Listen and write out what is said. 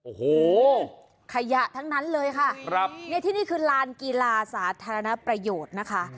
โอ้โหขยะทั้งนั้นเลยค่ะครับเนี่ยที่นี่คือลานกีฬาสาธารณประโยชน์นะคะ